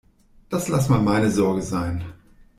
Das lass mal meine Sorge sein.